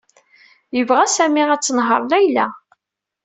Yebɣa Sami ad tenheṛ Layla.